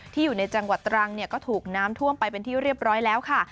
อยู่ในจังหวัดตรังก็ถูกน้ำท่วมไปเป็นที่เรียบร้อยแล้วค่ะ